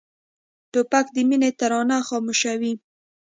توپک د مینې ترانه خاموشوي.